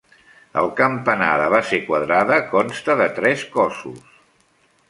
El campanar, de base quadrada, consta de tres cossos.